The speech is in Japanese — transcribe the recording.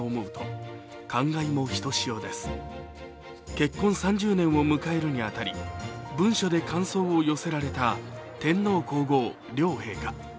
結婚３０年を迎えるに当たり文書で感想を寄せられた天皇皇后両陛下。